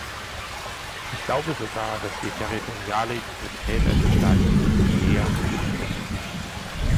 Ich glaube sogar, dass die territoriale Integrität eines Staates wie Guinea geschützt werden muss.